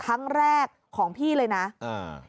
ครั้งแรกของพี่เลยนะอ่า